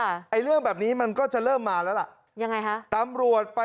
ไอ้เรื่องแบบนี้มันก็จะเริ่มมาแล้วล่ะ